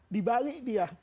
di bali dia